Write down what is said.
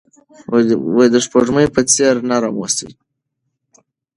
د سپوږمۍ په څیر نرم اوسئ.